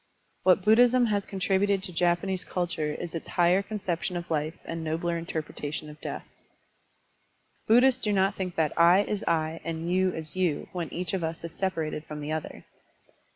What Buddhism has contributed to Japanese ctdture is its higher conception of life and nobler inter pretation of death. Buddhists do not think that "I" is "I" and "you" is "you" when each of us is separated from the other.